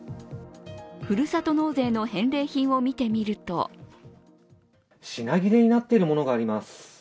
ふるさと納税の返礼品を見てみると品切れになっているものがあります。